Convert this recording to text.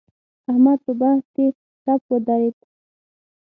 احمد په بحث کې ټپ ودرېد.